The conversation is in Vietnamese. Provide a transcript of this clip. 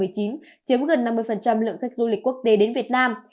chiếm gần năm mươi lượng khách du lịch quốc tế đến việt nam